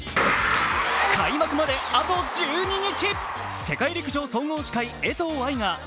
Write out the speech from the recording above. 開幕まであと１２日。